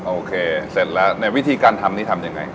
โอเคเสร็จแล้วในวิธีการทำนี่ทำยังไง